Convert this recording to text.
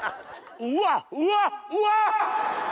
うわうわっうわ！